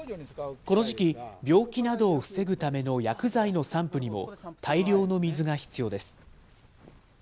この時期、病気などを防ぐための薬剤の散布にも、大量の水が必要です。